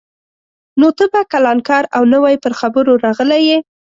نو ته به کلنکار او نوی پر خبرو راغلی یې.